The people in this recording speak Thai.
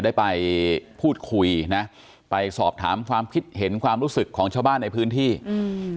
ได้ไปพูดคุยนะไปสอบถามความคิดเห็นความรู้สึกของชาวบ้านในพื้นที่อืม